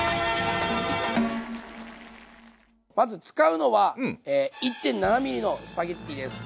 まず使うのは１．７ｍｍのスパゲッティです。